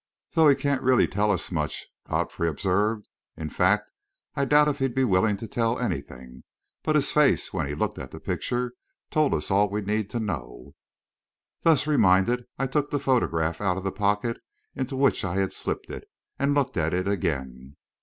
"Though he can't really tell us much," Godfrey observed. "In fact, I doubt if he'll be willing to tell anything. But his face, when he looked at the picture, told us all we need to know." Thus reminded, I took the photograph out of the pocket into which I had slipped it, and looked at it again.